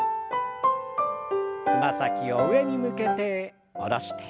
つま先を上に向けて下ろして。